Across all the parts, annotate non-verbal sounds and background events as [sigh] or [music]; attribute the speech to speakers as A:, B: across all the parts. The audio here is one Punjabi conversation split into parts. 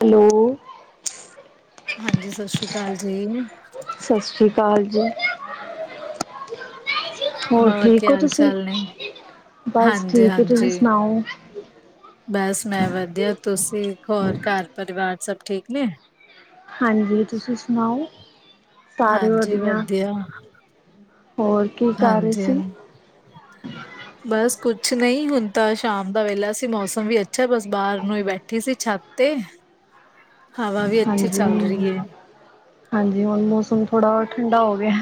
A: ਹੈਲੋ।
B: ਹਾਂਜੀ, ਸਸ਼੍ਰੀ ਕਾਲ ਜੀ।
A: ਸਸ੍ਰੀ ਕਾਲ ਜੀ। ਹੋਰ
B: ਕੀ
A: ਠੀਕ ਹੋ
B: ਹਾਲ
A: ਤੁਸੀਂ?
B: ਚਾਲ ਨੇ?
A: ਬਸ ਠੀਕ ਏ, ਤੁਸੀਂ
B: ਹਾਂਜੀ-ਹਾਂਜੀ,
A: ਸੁਣਾਓ?
B: ਬਸ ਮੈਂ ਵਧੀਆ। ਤੁਸੀਂ, ਹੋਰ ਘਰ ਪਰਿਵਾਰ ਸਭ ਠੀਕ ਨੇ?
A: ਹਾਂਜੀ, ਤੁਸੀਂ ਸੁਣਾਓ? ਸਾਰੇ ਵਧੀਆ। ਹੋਰ?
B: ਹਾਂਜੀ।
A: ਹ
B: ਬਸ ਕੁਛ ਨਈ, ਹੁਨ ਤਾਂ ਸ਼ਾਮ ਦਾ ਵੇਲਾ ਸੀ ਮੌਸਮ ਵੀ ਅੱਛਾ, ਬਸ ਬਾਰ ਨੂੰ ਈ ਬੈਠੀ ਸੀ ਛੱਤ ਤੇ। ਹਵਾ ਵੀ ਅੱਛੀ ਚੱਲ
A: ਹਾਂਜੀ,
B: ਰਹੀ ਏ।
A: ਹਾਂਜੀ ਹੁਨ ਮੌਸਮ ਥੋੜ੍ਹਾ ਠੰਡਾ ਹੋ ਗਿਆ।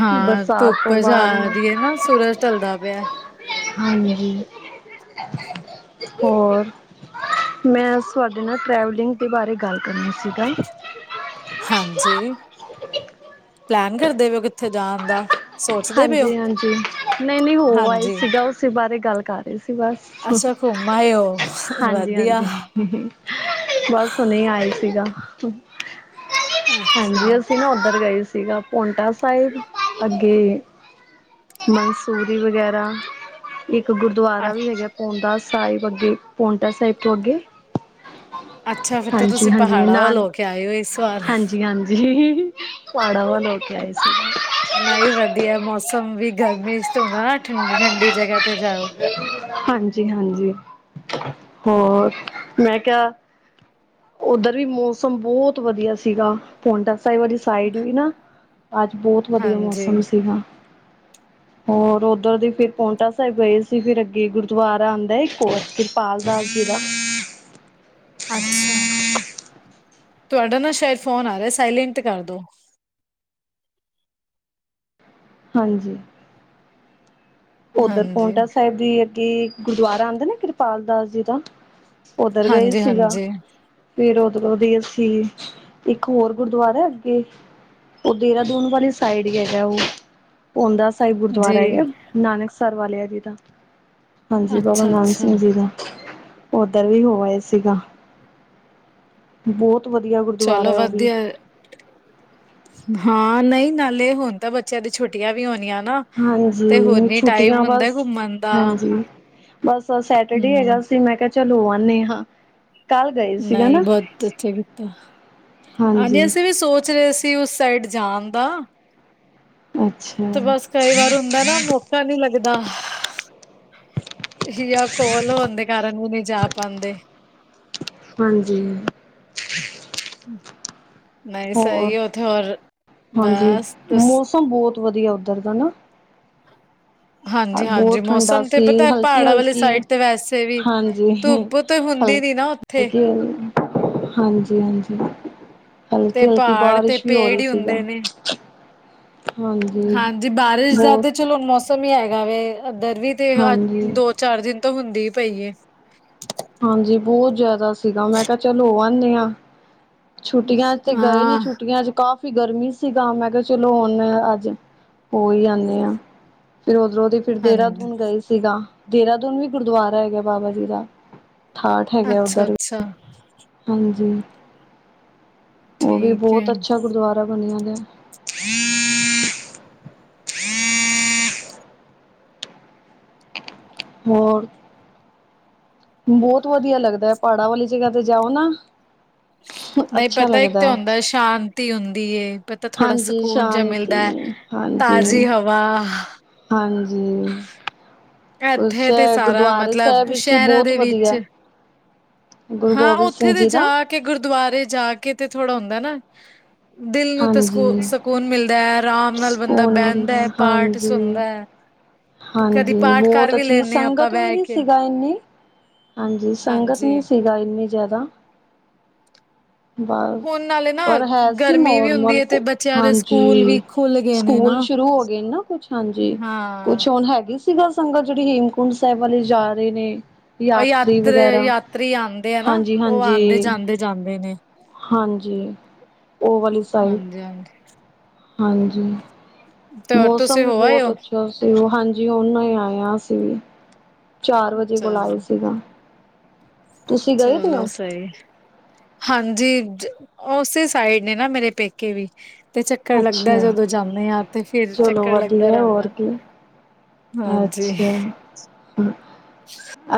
B: ਹਾਂ,
A: ਬਰਸਾਤ
B: ਧੁੱਪ
A: ਤੋਂ ਬਾਅਦ
B: ਜਾਦੀ ਏ ਨਾ, ਸੂਰਜ ਢਲਦਾ ਪਿਆ।
A: ਹਾਂਜੀ ਹੋਰ ਮੈਂ ਅਜ ਤੁਹਾਡੇ ਨਾਲ ਟ੍ਰੈਵਲਿੰਗ ਦੇ ਬਾਰੇ ਗੱਲ ਕਰਨੀ ਸੀਗਾ
B: [unintelligible] ਹਾਂਜੀ ਪਲੈਨ ਕਰਦੇ ਪਏ ਓ ਕਿੱਥੇ ਜਾਨ ਦਾ। ਸੋਚਦੇ ਪਏ ਹੋ?
A: ਹਾਂਜੀ-ਹਾਂਜੀ ਨਈ-ਨਈ ਹੋ ਆਈ
B: ਹਾਂਜੀ,
A: ਸੀਗਾ ਉਸੀ ਬਾਰੇ ਗੱਲ ਕਰ ਰੀ ਸੀ ਬਸ।
B: ਅੱਛਾ ਘੁੰਮ ਆਏ ਓ
A: ਹਾਂਜੀ
B: ਵਧੀਆ।
A: ਹਾਂਜੀ ਬਸ ਹੁਣੇ ਆਏ ਸੀਗਾ।
B: ਅੱਛਾ।
A: ਹਾਂਜੀ ਅਸੀਂ ਨਾ ਉੱਧਰ ਗਏ ਸੀਗਾ ਪੋਟਾ ਸਾਹਿਬ ਅੱਗੇ ਮਨਸੂਰੀ ਵਗੈਰਾ ਇੱਕ
B: ਅ
A: ਗੁਰਦੁਆਰਾ ਵੀ ਹੈਗਾ। ਪੋਂਟਾ ਸਾਹਿਬ ਅੱਗੇ ਪੋਂਟਾ ਸਾਹਿਬ ਤੋਂ ਅੱਗੇ
B: ਅੱਛਾ ਫਿਰ ਤਾਂ ਤੁਸੀਂ
A: ਹਾਂਜੀ-ਹਾਂਜੀ
B: ਪਹਾੜਾਂ ਵੱਲ
A: ਨਾਨ
B: ਹੋ ਕੇ ਆਏ ਹੋ ਇਸ ਵਾਰ
A: ਹਾਂਜੀ ਜੀ ਹਾਂਜੀ ਪਾੜਾ ਵੱਲ ਹੋ ਕੇ ਆਈ ਸੀ।
B: ਨਈ ਵਧੀਆ ਮੌਸਮ ਵੀ ਗਰਮੀ ਚ ਹੁੰਦਾ ਨਾ ਠੰ ਠੰਡੀ ਜਗ੍ਹਾ ਤੇ ਜਾਓ।
A: ਹਾਂਜੀ-ਹਾਂਜੀ ਹੋਰ ਮੈਂ ਕਿਆ ਉੱਧਰ ਵੀ ਮੌਸਮ ਬੌਤ ਵਧੀਆ ਸੀਗਾ ਪੋਟਾ ਸਾਹਿਬ ਵਾਲੀ ਸਾਈਡ ਵੀ ਨਾ ਅੱਜ ਬੌਤ ਵਧੀਆ
B: ਹਾਂਜੀ
A: ਮੌਸਮ ਸੀਗਾ। ਹੋਰ ਉੱਧਰ ਦੀ ਫਿਰ ਪੋਟਾ ਸਾਹਿਬ ਗਏ ਸ ਫਿਰ ਅੱਗੇ ਗੁਰਦੁਆਰਾ ਆਂਦਾ ਇੱਕ ਹੋਰ ਕਿਰਪਾਲ ਦਾਸ ਜੀ ਦਾ।
B: ਅੱਛਾ ਤੁਹਾਡਾ ਨਾ ਸ਼ਾਇਦ ਫੋਨ ਆ ਰਿਆ ਸਾਇਲੈਂਟ ਤੇ ਕਰਦੋ।
A: ਹਾਂਜੀ ਓਧਰ
B: ਹਾਂਜੀ
A: ਪੋਂਟਾ ਸਾਹਿਬ ਦੀ ਅੱਗੇ ਗੁਰਦੁਆਰਾ ਆਂਦਾ ਨਾ ਕਿਰਪਾਲ ਦਾਸ ਜੀ ਦਾ। ਉਧਰ ਗਏ
B: ਹਾਂਜੀ
A: ਸੀਗਾ।
B: ਹਾਂਜੀ
A: ਫੇਰ ਉਧਰੋਂ ਦੀ ਅਸੀਂ ਇੱਕ ਹੋਰ ਗੁਰਦੁਆਰਾ ਅੱਗੇ ਓ ਦੇਹਰਾਦੂਨ ਵਾਲੀ ਸਾਈਡ ਹੀ ਹੈਗਾ ਓ ਓੰਦਾ ਸਾਹਿਬ ਗੁਰਦੁਆਰਾ
B: ਜੀ
A: ਹੈਗਾ ਨਾਨਕ ਸਰ ਵਾਲਿਆ ਜੀ ਦਾ। ਹਾਂਜੀ ਬਾਬਾ
B: ਅੱਛਾ
A: ਨੰਦ
B: ਅੱਛਾ
A: ਸਿੰਘ ਜੀ ਦਾ। ਉੱਧਰ ਵੀ ਹੋਆ ਸੀਗਾ ਬੌਤ ਵਧੀਆ ਗੁਰਦੁਆਰਾ
B: ਚਲੋ
A: ਏ ਓ ਵੀ।
B: ਵਧੀਆ ਹਾਂ ਨਈ ਨਾਲੇ ਹੁਣ ਤਾਂ ਬੱਚਿਆਂ ਦੀ ਛੁਟੀਆਂ ਵੀ ਹੋਨੀਆ ਨਾ। ਤੇ ਹੋਰ
A: ਹਾਂਜੀ
B: ਨੀ ਟਾਈਮ
A: ਛੁੱਟੀਆਂ
B: ਹੁੰਦਾ
A: ਬਸ
B: ਘੁੰਮਣ ਦਾ
A: ਹਾਂਜੀ ਬਸ ਅਜ ਸੈਟਰਡੇ ਹੈਗਾ
B: ਹਮ
A: ਸੀ ਮੈਂ ਕਿਆ ਚਲ ਹੋ ਆਨੀ ਆ।
B: ਨਈ ਬੌਤ ਅੱਛਾ ਕੀਤਾ ਹਾਂਜੀ ਅਸੀਂ ਵੀ ਸੋਚ ਰਹੇ ਸੀ ਉਸ ਸਾਈਡ ਜਾਨ ਦਾ
A: ਅੱਛਾ।
B: ਤੇ ਬਸ ਕਈ ਵਾਰ ਹੁੰਦਾ ਨਾ ਮੌਕ ਕਾ ਨੀ ਲੱਗਦਾ ਯਾ ਕੋਲ ਹੋਨ ਦੇ ਕਾਰਨ ਓ ਨੀ ਜਾ ਪਾਂਦੇ।
A: ਹਾਂਜੀ
B: ਹੂ ਨਈ ਸਈ
A: ਹੋਰ
B: ਏ ਉਥੇ ਹੋਰ
A: ਹਾਂਜੀ
B: ਬਸ ਤੁਸ
A: ਮੌਸਮ ਬੌਤ ਵਧੀਆ ਉੱਧਰ ਦਾ ਨਾ।
B: ਹਾਂਜੀ-ਹਾਂਜੀ
A: ਬੌਤ ਠੰਡਾ
B: ਮੌਸਮ ਤੇ
A: ਸੀ
B: ਪਤਾ ਪਹਾੜਾਂ ਵਾਲੀ
A: ਹਲਕੀ-ਹਲਕੀ
B: ਸਾਈਡ ਤੇ ਵੈਸੇ ਵੀ
A: ਹਾਂਜੀ
B: ਧੁੱਪ ਤੇ
A: ਹਲ
B: ਹੁੰਦੀ ਨੀ ਨਾ ਉੱਥੇ
A: ਕੀ [unintelligible] ਹਾਂਜੀ-ਹਾਂਜੀ
B: ਤੇ
A: ਹਲਕੀ-ਹਲਕੀ
B: ਪਹਾੜ ਤੇ
A: ਬਾਰਿਸ਼ ਵੀ ਹੋ
B: ਪੇੜ
A: ਰੀ
B: ਹੀ
A: ਸੀਗਾ
B: ਹੁੰਦੇ ਨੇ।
A: ਹਾਂਜੀ।
B: ਹਾਂਜੀ ਬਾਰਿਸ਼ ਦਾ
A: ਬਹੁਤ
B: ਤੇ ਚਲੋ ਮੌਸਮ ਹੀ ਹੈਗਾ ਵੇ ਇਧਰ ਵੀ ਤੇ ਅੱਜ
A: ਹਾਂਜੀ,
B: ਦੋ-ਚਾਰ ਦਿਨ ਤੋਂ ਹੁੰਦੀ ਹੀ ਪਈ ਏ।
A: ਹਾਂਜੀ ਬੌਤ ਜਾਦਾ ਸੀਗਾ ਮੈਂ ਕਆ ਚਲ ਹੋ ਆਂਨੇ ਆ। ਛੁੱਟੀਆਂ ਤੇ ਗਏ ਨੀ
B: ਹਾਂ
A: ਛੁੱਟੀਆਂ ਚ ਕਾਫ ਗਰਮੀ ਸੀਗਾ ਮੈਂ ਕਿਹਾ ਚਲੋ ਉਨ ਆ ਅੱਜ ਹੋ ਈ ਆਨੇ ਆ ਫਿਰ ਉਧਰ ਉਧਰ ਈ ਫਿਰੇ ਦੇ ਰੇ ਐ
B: ਹਾਂਜੀ
A: ਦੇਰਾਦੂਨ ਗਏ ਸੀਗਾ ਦੇਹਰਾਦੂਨ ਵੀ ਗੁਰਦੁਆਰਾ ਹੈਗਾ ਬਾਬਾ ਜੀ ਦਾ ਠਾਠ ਹੈਗਾ
B: ਅੱਛਾ
A: ਉੱਧਰ ਵੀ
B: ਅੱਛਾ ਆ
A: ਹਾਂਜੀ ਉਹ ਵੀ
B: ਠੀਕ ਏ।
A: ਬਹੁਤ ਅੱਛਾ ਗੁਰਦੁਆਰਾ ਬਣਿਆ ਦੇ ਹੋਰ ਬਹੁਤ ਵਧੀਆ ਲੱਗਦਾ ਹੈ ਪਾੜਾਂ ਵਾਲੀ ਜਗਾ ਤੇ ਜਾਓ ਨਾ
B: ਨਹੀਂ
A: ਅੱਛਾ
B: ਪਤਾ ਇੱਕ ਤਾਂ
A: ਲੱਗਦਾ ਹੈ।
B: ਹੁੰਦਾ ਸ਼ਾਂਤੀ ਹੁੰਦੀ ਏ ਪਤ ਤਾਂ ਥੋੜ੍ਹਾ
A: ਹਾਂਜੀ
B: ਸਕੂਨ ਜਿਹਾ ਮਿਲਦਾ ਐ
A: ਸ਼ਾਂਤੀ
B: ਤਾਜ਼ੀ
A: ਹਾਂਜੀ
B: ਹਵਾ ਆ
A: ਹਾਂਜੀ ਕੁਛ
B: ਇੱਥੇ ਤੇ
A: ਏ
B: ਸਾਰਾ
A: ਗੁਰਦੁਆਰੇ ਸਾਹਿਬ
B: ਮਤਲਬ
A: ਵਿੱਚ ਵੀ
B: ਸ਼ਹਿਰਾਂ
A: ਬਹੁਤ
B: ਦੇ ਵਿੱਚ
A: ਵਧੀਆ ਗੁਰੂ
B: ਹਾਂ
A: ਗੋਬਿੰਦ
B: ਉੱਥੇ
A: ਸਿੰਘ
B: ਤੇ
A: ਜੀ
B: ਜਾ
A: ਦਾ
B: ਕੇ ਗੁਰਦੁਆਰੇ ਜਾ ਕੇ ਤੇ ਥੋੜ੍ਹਾ ਹੁੰਦਾ ਨੇ ਦਿਲ ਨੂੰ ਤੇ ਸਕੂ
A: ਹਾਂਜੀ
B: ਸਕੂਨ ਮਿਲਦਾ ਐ ਆਰਾਮ ਨਾਲ ਬੰਦਾ
A: ਸਕੂਨ
B: ਬਹਿੰਦਾ
A: ਮਿਲਦਾ
B: ਐ ਪਾਠ
A: ਹਾਂਜੀ
B: ਸੁਣਦਾ ਐ
A: ਹਾਂਜੀ ਬਹੁਤ ਅੱਛੀ
B: ਲੈਂਦੇ ਹਾਂ ਆਪਾਂ
A: ਸੰਗਤ ਵੀ
B: ਬਹਿ
A: ਨੀ
B: ਕੇ
A: ਸੀਗਾ ਇੰਨੀ ਈ ਹਾਂਜੀ ਸੰਗਤ
B: ਹਾਂਜੀ
A: ਨੀ ਸੀਗਾ ਏਨੀ ਜ਼ਿਆਦਾ ਬਸ
B: ਹੁਣ ਨਾਲੇ ਨਾ
A: ਪਰ ਹੈ ਸੀ
B: ਗਰਮੀ ਵੀ ਹੁੰਦੀ
A: ਮੇਰਮਲ
B: ਹੈ ਤੇ ਬੱਚਿਆਂ ਦੇ
A: ਹਾਂਜੀ
B: ਸਕੂਲ
A: ਈ
B: ਵੀ ਖੁੱਲ ਗਏ ਨੇ
A: ਸਕੂਲ
B: ਨਾ
A: ਸ਼ੁਰੂ ਹੋ ਗਏ ਨਾ ਕੁਛ ਹਾਂਜੀ
B: ਹਾਂ
A: ਕੁਛ ਹੁਣ ਹੈਗੀ ਸੀਗਾ ਸੰਗਤ ਜਿਹੜੀ ਹੇਮਕੁੰਡ ਸਾਹਿਬ ਵੱਲ ਜਾ ਰਹੇ ਨੇ ਯਾਤਰੀ
B: ਆਯਾਤਰ
A: ਵਗੈਰਾ
B: ਯਾਤਰੀ ਆਦੇ ਹੈ ਨਾ
A: ਹਾਂਜੀ
B: ਉਹ ਆਦੇ
A: ਹਾਂਜੀ
B: ਜਾਂਦੇ ਏ ਜਾਂਦੇ ਨੇ ਏ
A: ਹਾਂਜੀ ਉਹ ਵਾਲੀ ਸੀ
B: ਹਾਂਜੀ ਹਾਂਜੀ ਈ
A: ਹਾਂਜੀ
B: ਤੇ ਹੋਰ ਤੁਸੀਂ
A: ਮੌਸਮ
B: ਹੋ ਆਏ
A: ਬਹੁਤ
B: ਹੋ
A: ਅੱਛਾ ਸੀ ਗਾ ਹਾਂਜੀ ਉਹਨਾਂ ਈ ਆਇਆ ਅਸੀ ਵੀ ਚਾਰ ਵਜੇ ਬੁਲਾ ਐ
B: ਚਲੋ
A: ਸੀਗਾ ਤੁਸੀਂ ਗਏ ਦੇ
B: ਚਲੋ
A: ਹੋ
B: ਸਈ ਹਾਂਜੀ ਜ ਉਸੇ ਸਾਈਡ ਨੇ ਨਾ ਮੇਰੇ ਪੇਕੇ ਵੀ ਤੇ ਚੱਕਰ ਲੱਗਦਾ
A: ਅੱਛਾ
B: ਜਦੋਂ ਜਾਣੇ ਆ ਤੇ ਫਿਰ
A: ਚਲੋ
B: ਚੱਕਰ ਲੱਗਦਾ
A: ਵਧੀਆ ਹੋਰ
B: ਰਹਿੰਦਾ
A: ਕੀ
B: ਹਾਂਜੀ
A: ਅੱਛਾ ਹੂ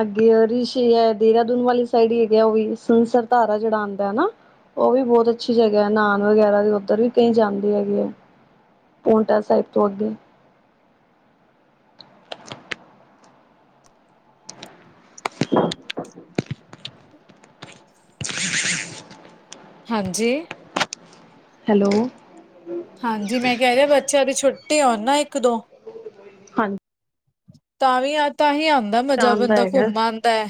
A: ਅੱਗੇ ਐ ਰਿਸ਼ੀ ਏ ਦੇਹਰਾਦੂਨ ਵਾਲੀ ਸਾਈਡ ਏਡੀਆ ਉਹ ਸੁਨ ਸਾ ਧਾਰ ਜਿਹੜਾ ਆਦਾ ਨਾ ਉਹ ਵੀ ਬਹੁਤ ਅੱਛੀ ਜਗ੍ਹਾ ਹੈ ਨਾਨ ਵਗੈਰਾ ਦੇ ਉੱਧਰ ਵੀ ਕਈ ਜਾਂਦੇ ਹੈਗੇ ਐ ਪੋਂਟਾ ਸਾਹਿਬ ਤੋਂ ਅੱਗੇ
B: ਹਾਂਜੀ
A: ਹੈਲੋ
B: ਹਾਂਜੀ ਮੈਂ ਕਹਿ ਰਿਹਾ ਆ ਬੱਚਿਆਂ ਦੀ ਛੁੱਟੀ ਹੋਣ ਨਾ ਇੱਕ ਦੋ
A: ਹਾਂਜੀ
B: ਤਾਂ ਵੀ ਐ ਤਾਂਹੀ ਆਦਾ ਮਜ਼ਾ
A: ਆਉਂਦਾ
B: ਬੰਦਾ
A: ਹੈਗਾ
B: ਘੁੰਮ ਆਦਾ ਐ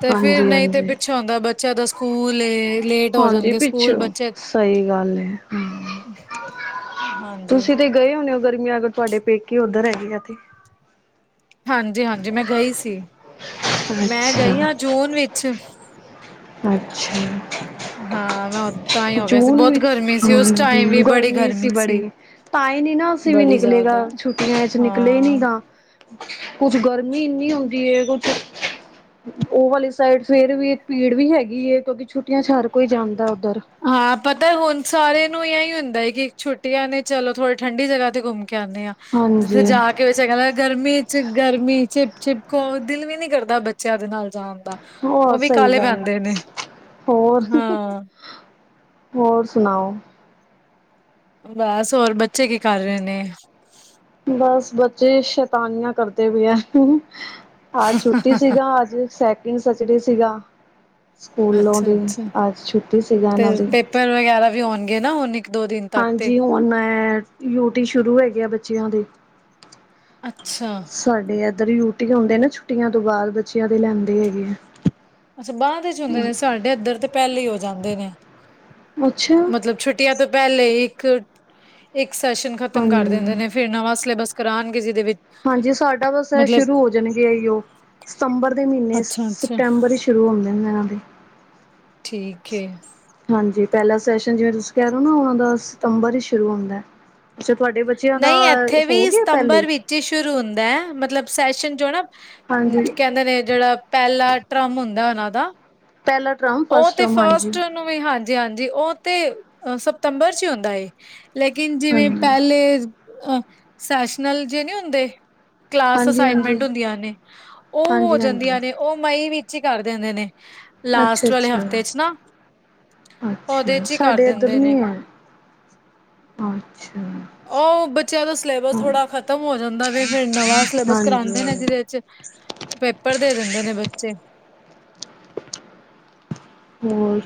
B: ਤੇ ਫੇਿਰ
A: ਹਾਂਜੀ
B: ਨਹੀਂ ਤੇ
A: ਹਾਂਜੀ
B: ਪਿੱਛੋਂ ਹੁੰਦਾ ਐ ਬੱਚਾ ਤਾਂ ਸਕੂਲ ਏ ਤੇ ਲੇਟ ਹੋ
A: ਹਾਂਜੀ
B: ਜਾਣਗੇ ਸਕੂਲ
A: ਪਿੱਛੋਂ
B: ਬੱਚੇ
A: ਸਹੀ ਏ ਗੱਲ
B: ਹਾਂਜੀ
A: ਤੁਸੀਂ ਤੇ ਗਏ ਹੁਣੇ ਉਹ ਗਰਮੀਆਂ ਅਗਰ ਤੁਆਡੇ ਪੇਕੇ ਉੱਧਰ ਹੈਗੀ ਐ ਤੇ
B: ਹਾਂਜੀ ਹਾਂਜੀ ਮੈਂ ਗਈ ਸੀ ਮੈਂ ਗਈ ਆ ਜੂਨ ਵਿੱਚ ਹਾਂ ਮੈਂ ਤਾਂ ਹੀ
A: ਆਛਾ
B: ਹੋ ਗਿਆ ਸੀ
A: ਜੂਨ
B: ਬਹੁਤ
A: ਵਿੱਚ
B: ਗਰਮੀ
A: ਹੂ
B: ਸੀ ਉਸ
A: ਹੂ
B: ਟਾਈਮ ਵੀ ਬੜੀ
A: ਗਰਮੀ ਸੀ ਬੜੀ ਤਾਂ ਨੀ ਨਾ ਅਸੀਂ ਵੀ
B: ਬੜੀ
A: ਨਿਕਲੀ
B: ਜ਼ਿਆਦਾ।
A: ਦਾ ਛੁੱਟੀਆਂ ਚ ਨਿਕਲੇ ਨੀ
B: ਹਾਂ।
A: ਗਾ ਆ ਕੁਛ ਗਰਮੀ ਇੰਨੀ ਹੁੰਦੀ ਏ ਕੁਛ ਉਹ ਵਾਲੀ ਸਾਈਡ ਫੇਰ ਵੀ ਪੀੜ ਵੀ ਹੈਗੀ ਕਿਉਂਕਿ ਛੁੱਟੀਆਂ ਚ ਹਰ ਕੋਈ ਜਾਂਦਾ ਉੱਧਰ
B: ਆ ਪਤਾ ਹੁਣ ਸਾਰੇ ਨੂੰ ਇਹੀ ਹੁੰਦਾ ਕਿ ਛੁੱਟੀਆਂ ਨੇ ਚਲੋ ਥੋੜੇ ਠੰਢਡੀ ਜਗ੍ਹਾ ਤੇ ਘੁੰਮ ਕੇ ਆਣੇ ਆ ਜਿੱਥੇ
A: ਹਾਂਜੀ।
B: ਜਾ ਆ ਿਆ ਗਰਮੀ ਚ ਗਰਮੀ ਚਿਪ ਚਿਪਕੋ ਦਿਲ ਵੀ ਨੀ ਕਰਦਾ ਬੱਚਿਆਂ ਦੇ ਨਾਲ ਜਾਣ ਦਾ।
A: ਹੋਰ
B: ਉਹ ਵੀ
A: ਸਹੀ
B: ਕਾਲੇ
A: ਗੱਲ ਆ,
B: ਪੈਂਦੇ ਨੇ
A: ਹੋਰ?
B: ਹਾਂ।
A: ਹੋਰ ਸੁਣਾਓ?
B: ਬਸ ਹੋਰ ਬੱਚੇ ਕੀ ਕਰ ਰਹੇ ਨੇ?
A: ਬਸ ਬੱਚੇ ਸ਼ੈਤਾਨੀਆਂ ਕਰਦੇ ਪਾਏ ਐ। ਅੱਜ ਛੁੱਟੀ ਸੀਗਾ ਅੱਜ ਸੈਕਿੰਡ ਸਚਡੇ ਸੀਗਾ। ਸਕੂਲੋਂ ਦੀ ਅੱਜ ਛੁੱਟੀ ਸੀਗਾ ਇਹਨਾਂ ਦੀ।
B: ਪਹਿਲਾ ਵਗੈਰਾ ਵੀ ਹੋਉਣਗੇ ਨਾ ਹੁਣ ਇੱਕ ਦੋ ਦਿਨ ਤੱਕ ਤੇ
A: ਹਾਂਜੀ, ਹੁਣ ਐ ਯੂਟੀ ਸ਼ੁਰੂ ਹੈਗੇ ਆ ਬੱਚਿਆਂ ਦੀ।
B: ਅੱਛਾ।
A: ਸਾਡੇ ਇਏਧਰ ਯੂਟੀ ਹਉਂਦੇ ਨਾ ਛੁੱਟੀਆਂ ਤੋਂ ਬਾਅਦ ਬੱਚਿਆਂ ਦੀ ਲੈਂਦੇ ਹੈਗੇ ਆ।
B: ਅੱਛਾ, ਬਾਅਦ ਦੇ ਚ ਹੁੰਦੇ ਨੇ ਸਾਡੇ ਅੱਧਰ ਤੇ ਪਹਿਲੇ ਹੀ ਹੋ ਜਾਂਦੇ ਨੇ
A: ਅੱਛਾ।
B: ਮਤਲਬ ਛੁ ੁੱਟੀਆਂ ਤੋਂ ਪਹਿਲੇ ਇੱਕ ਇੱਕ ਸੈਸ਼ਨ ਖ਼ਤਮ ਕਰ ਦਿੰਦੇ
A: ਹਾਂਜੀ,
B: ਨੇ। ਫ਼ਿਰ ਨਵਾਂ ਸਿਲੇਬਸ ਕਰਨਗੇ ਜਿਦੇ ਵਿੱਚ
A: ਹਾਂਜੀ, ਸਾਡਾ ਬਸ
B: ਮਤਲਬ
A: ਸ਼ੁਰੂ ਹੋ ਜਾਣਗੇ ਏਹੋ। ਸਤੰਬਰ ਦੇ ਮਹੀਨੇ
B: ਅੱਛਾ ਅੱਛਾ
A: ਸਪਟੰਬਰ ਹੀ ਸ਼ੁਰੂ ਹੁੰਦੇ ਨੇ ਇਹਨਾਂ ਦੇ।
B: ਠੀਕ ਹੈ।
A: ਹਾਂਜੀ, ਪਹਿਲਾ ਸੈਸ਼ਨ ਜਿਵੇਂ ਤੁਸੀਂ ਕਹਿ ਰਹੇ ਨਾ ਉਹਨਾਂ ਦਾ ਸਤੰਬਰ ਹੀ ਸ਼ੁਰੂ ਹੁੰਦਾ ਐ। ਅੱਛਾ। ਤੁਹਾਡੇ ਬੱਚਿਆਂ ਦਾ ਹੋ ਗਿਆ ਪਹਿਲੇ ਹੀ?
B: ਜੀ, ਸ਼ੁਰੂ ਹੁੰਦਾ ਐ, ਮਤਲਬ ਸੈਸ਼ਨ ਜੋ ਨਾ
A: ਹਾਂਜੀ
B: ਕਹਿੰਦੇ ਨੇ ਜਿਹੜਾ ਪਹਿਲਾ ਟਰਮ ਹੁੰਦਾ ਉਹਨਾਂ ਦਾ।
A: ਪਹਿਲਾ ਟਰਮ
B: ਉਹ
A: ਫਸਟ
B: ਤੇ
A: ਟਰਮ ਹਾਂਜੀ।
B: ਨੂੰ ਵੀ ਹਾਂਜੀ- ਹਾਂਜੀ ਉਹ ਤੇ ਸਤੰਬਰ ਚ ਹੁੰਦਾ ਐ। ਲੇਕਿਨ ਜਿਵੇਂ
A: ਹਾਂਜੀ।
B: ਪਹਿਲੇ ਸੈਸ਼ਨਲ ਜੇ ਨਹੀਂ ਹੁੰਦੇ ਕਲਾਸ
A: ਹਾਂਜੀ ਹਾਂਜੀ
B: ਅਸਾਈਨਮੈਂਟ ਹੁੰਦੀਆਂ ਨੇ ਉਹ ਹੋ
A: ਹਾਂਜੀ ਹਾਂਜੀ
B: ਜਾਂਦੀਆਂ ਨੇ। ਉਹ ਮਈ ਵਿੱਚ ਹੀ ਕਰ ਦਿੰਦੇ ਨੇ ਲਾਸਟ।
A: ਅੱਛਾ
B: ਵਾਲੇ
A: ਅੱਛਾ-
B: ਹਫ਼ਤੇ ਚ ਨਾ ਉਹਦੇ
A: ਅੱਛਾ
B: ਚ ਹੀ ਕਰ
A: ਸਾਡੇ ਇਏਧਰ
B: ਦਿੰਦੇ ਨੇ
A: ਨੀ ਆ। ਅੱਛਾ।
B: ਉਹ ਬੱਚਿਆਂ ਦਾ ਸਿਲੇਬਸ
A: ਹਾਂਜੀ
B: ਥੋੜ੍ਹਾ ਖਤਮ ਹੋ ਜਾਂਦਾ ਵੀ ਫਿਰ ਨਵਾਂ ਸਿਲੇਬਸ ਕਰਾਂਦੇ ਨੇ
A: ਹਾਂਜੀ
B: ਜਿਹਦੇ ਚ ਪੇਪਰ ਦੇ ਦਿੰਦੇ ਨੇ ਬੱਚੇ।
A: ਹੋਰ?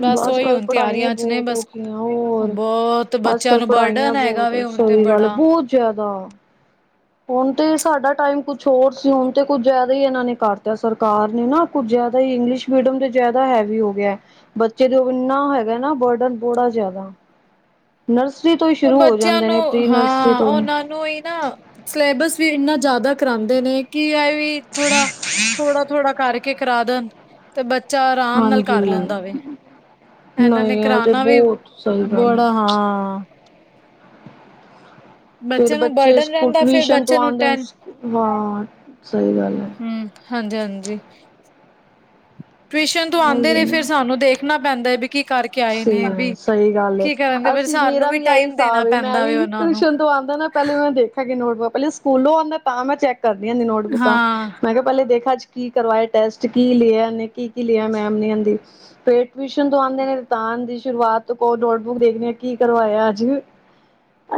B: ਬਸ
A: ਅੱਜ-
B: ਉਹੀ
A: ਕੱਲ
B: ਹੁਣ
A: ਪੜ੍ਹਾਈਆਂ
B: ਤਿਆਰੀਆਂ ਚ ਨੇ
A: ਬਹੁਤ ਹੋ
B: ਬਸ
A: ਗਈਆਂ ਹੋਰ
B: ਬਹੁਤ
A: ਅੱਜ-
B: ਬੱਚਿਆਂ
A: ਕੱਲ
B: ਨੂੰ
A: ਪੜ੍ਹਾਈਆਂ
B: ਬਰਡਨ ਹੈਗਾ
A: ਬਹੁਤ
B: ਵੇ ਹੁਣ ਤੇ
A: ਸਹੀ ਗੱਲ ਐ
B: ਬੜਾ
A: ਬਹੁਤ ਜਿਆਦਾ। ਹੁਣ ਤੇ ਸਾਡਾ ਟਾਈਮ ਕੁਛ ਹੋਰ ਸੀ ਹੁਣ ਤੇ ਕੁਝ ਜ਼ਿਆਦਾ ਹੀ ਇਹਨਾਂ ਨੇ ਕਰਤਾ ਸਰਕਾਰ ਨੇ ਨਾ। ਕੁਝ ਜ਼ਿਆਦਾ ਹੀ ਇੰਗਲਿਸ਼ ਮੀਡੀਅਮ ਤੇ ਜ਼ਿਆਦਾ ਹੈਵੀ ਹੋ ਗਿਆ। ਬੱਚੇ ਦੇ ਇੰਨਾ ਹੈਗਾ ਨਾ ਬਰਡਨ ਬੋੜਾ ਜਿਆਦਾ। ਨਰਸਰੀ ਤੋਂ ਹੀ
B: ਉਹ ਬੱਚਿਆਂ
A: ਜਾਂਦੇ ਨੇ
B: ਨੂੰ
A: ਪ੍ਰੀ ਨਰਸਰੀ
B: ਹਾਂ
A: ਤੋਂ ਹੀ
B: ਉਹਨਾਂ ਨੂੰ ਹੀ ਨਾ ਸਿਲੇਬਸ ਵੀ ਇੰਨਾ ਜ਼ਿਆਦਾ ਕਰਾਦੇ ਨੇ ਕਿ ਇਹ ਵੀ ਥੋੜਾ ਥੋੜਾ- ਥੋੜ੍ਹਾ ਕਰਕੇ ਕਰਾ ਦੇਣ ਤੇ ਬੱਚਾ ਆਰਾਮ ਨਾਲ
A: ਹਾਂਜੀ
B: ਕਰ ਲੈਂਦਾ ਵੇ। ਇਹਨਾਂ ਨੇ
A: ਨਹੀਂ ਇਹ ਤੇ
B: ਕਰਾਣਾ ਵੀ
A: ਬਹੁਤ ਸਹੀ ਗੱਲ
B: ਬੜਾ
A: ਐ।
B: ਹਾਂ।
A: ਫੇਰ
B: ਬੱਚੇ ਨੂੰ ਬਰਡਨ
A: ਸਕੂਲ
B: ਰਹਿੰਦਾ ਫੇਿਰ
A: ਟਿਊਸ਼ਨ
B: ਬੱਚੇ
A: ਤੋਂ
B: ਨੂੰ
A: ਆਉਂਦੇ
B: ਟੈਣ
A: ਨੇ। ਹਾਂ ਸਹੀ ਗੱਲ ਹੈ।
B: ਹੁ ਹਾਂਜੀ- ਹਾਂਜੀ। ਟ੍ਰਿਸ਼ਨ ਤੋਂ ਆਂਦੇ ਨੇ ਫ਼ਿਰ ਸਾਨੂੰ ਦੇਖਣਾ ਪੈਂਦਾ ਹੈ ਵੀ ਕੀ ਕਰਕੇ
A: ਸ
B: ਆਏ ਨੇ ਵੀ
A: ਸਈ ਗੱਲ ਏ
B: ਕੀ ਕਰਨਗੇ ਫਿਰ
A: ਅਸੀਂ
B: ਸਾਨੂੰ
A: ਮੇਰਾ ਵੀ ਇਹੀ
B: ਟਾਈਮ ਦੇਣਾ
A: ਹਿਸਾਬ ਏ ਮੈਂ
B: ਪੈਂਦਾ
A: ਵੀ
B: ਵੇ ਉਹਨਾਂ ਨੂੰ
A: ਟਿਊਸ਼ਨ ਤੋਂ ਆਂਦਾ ਨਾ। ਪੈਲੇ ਮੈਂ ਦੇਖਾਂਗੀ ਨੋਟਬੁੱਕ ਪੈਲੇ ਸਕੂਲੋਂ ਆਂਦਾ ਤਾਂ ਮੈਂ ਚੈੱਕ ਕਰਦੀ ਆਂ ਨੋਟਬੁੱਕਾਂ
B: ਹਾਂ
A: ਮੈਂ ਕਿਆ ਪੈਲੇ ਦੇਖਾਂ ਅੱਜ ਕੀ ਕਰਵਾਏ ਟੈਸਟ ਕੀ ਲਿਆ ਕੀ-ਕੀ ਲਿਆ ਮੈਮ ਨ ਫਿਰ ਟਵੀਸ਼ਨ ਤੋਂ ਆਦੇ ਨੇ। ਤਾਨ ਦੀ ਸ਼ੁਰੂਆਤ ਤੋਂ ਕੋ ਨੋਟਬੁੱਕ ਦੇਖਦੇ ਆਂ ਕੀ ਕਰਵਾਇਆ ਅਜ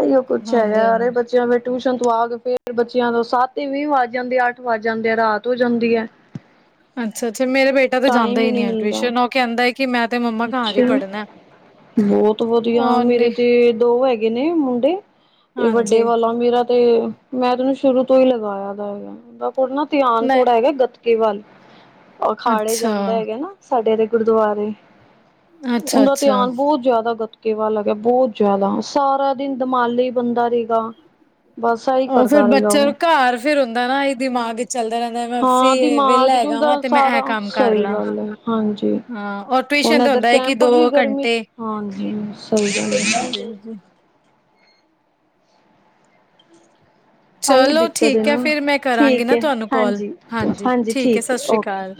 A: ਇਉ ਕੁਛ
B: ਹਾਂਜੀ
A: ਹੈਗਾ
B: ਹਾਂਜੀ
A: ਅਰੇ ਬੱਚਿਆਂ ਦੇ ਟਿਊਸ਼ਨ ਤੋਂ ਆ ਕੇ ਫਿਰ ਬੱਚਿਆਂ ਤੋਂ ਸਤ ਐਂਵੀਂ ਵੱਜ ਜਾਂਦੇ ਆ ਅੱਠ ਵੱਜ ਜਾਂਦੇ ਆ ਰਾਤ ਹੋ ਜਾਂਦੀ ਐ।
B: ਅੱਛਾ-ਅੱਛਾ ਮੇਰੇ ਬੇਟਾ ਤੇ ਜਾਂਦਾ
A: ਹੀ
B: ਈ
A: ਨਹੀਂ
B: ਨੀ
A: ਮਿਲਦਾ
B: ਟਿਊਸ਼ਨ ਓ ਕੈਂਦਾ ਕਿ ਮੈਂ ਤੇ ਮੰ
A: ਅੱਛਾ ਬੋਤ ਵਧੀਆ ਮੇਰੇ
B: ਉਹਨੇ
A: ਤੇ ਦੋ ਹੈਗ ਗੇ ਨੇ ਮੁੰਡੇ ਤੇ ਵੱਡੇ
B: ਹਾਂਜੀ
A: ਵਾਲਾ ਮੇਰਾ ਤੇ ਮੈਂ ਤੈਨੂੰ ਸ਼ੁਰੂ ਤੋਂ ਹੀ ਲਗਾਇਆ ਹੈਗਾ ਉਦਾ ਨਾ ਧਿਆਨ
B: ਮੈਂ
A: ਥੋੜ੍ਹਾ ਹੈਗਾ ਗੱਤਕੇ ਵੱਲ ਅਖਾੜੇ
B: ਅੱਛਾ,
A: ਜਾਂਦਾ ਹੈਗਾ ਨਾ ਸਾਡੇ ਦੇ ਗੁਰਦੁਆਰੇ ਉਦਾ
B: ਅੱਛਾ-ਅੱਛਾ
A: ਧਿਆਨ ਬੋਤ ਜਾਦਾ ਗਤ ਕਿ ਵ ਲੱਗਿਆ ਬੋਤ ਜਾਦਾ ਸਾਰਾ ਦਿਨ ਦਿਮਾਲੀ ਬਣਦਾ ਰਏਗਾ।
B: ਓ ਫਿਰ ਬੱਚਾ ਘਰ ਫਿਰ ਹੁੰਦਾ ਨਾ ਦਿਮਾਗ 'ਚ ਚੱਲਦਾ ਰੈਂਦਾ ਮੈਂ
A: ਹਾਂ
B: ਵੇਲਾ
A: ਦਿਮਾਗ ਚ
B: ਹੈਗਾ ਵਾ।
A: ਹੁੰਦਾ
B: ਤੇ ਮੈਂ ਇਹ
A: ਸਾਰਾ
B: ਕੰਮ ਕਰ
A: ਸਈ
B: ਲਾਂ
A: ਗੱਲ ਏ ਹਾਂਜੀ।
B: ਹਾਂ ਔਰ
A: ਹੁਣ
B: ਟਿਊਸ਼ਨ ਤਾਂ
A: ਇਧਰ
B: ਹੁੰਦਾ ਹੈ ਕਿ
A: ਕੈਂਪ ਵੀ
B: ਦੋ
A: ਗਰਮੀ
B: ਘੰਟੇ
A: 'ਚ ਹਾਂਜੀ ਸਈ ਗੱਲ ਐ।
B: ਜੀ
A: ਆਹੀ
B: ਚਲੋ
A: ਦਿੱਕਤ
B: ਠੀਕ ਹੈ
A: ਨਾ
B: ਫਿਰ ਮੈਂ ਕਰਾਂਗੀ
A: ਠੀਕ
B: ਨਾ
A: ਹੈ
B: ਤੁਹਾਨੂੰ ਕੋਲ
A: ਹਾਂਜੀ
B: ਹਾਂਜੀ ਠੀਕ ਹੈ ਸਤਿ ਸ਼੍ਰੀ ਅਕਾਲ।